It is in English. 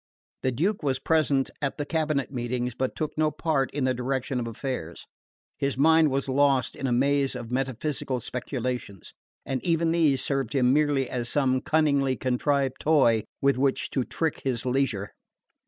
The Duke was present at the cabinet meetings but took no part in the direction of affairs. His mind was lost in a maze of metaphysical speculations; and even these served him merely as some cunningly contrived toy with which to trick his leisure.